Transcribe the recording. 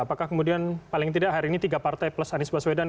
apakah kemudian paling tidak hari ini tiga partai plus anies baswedan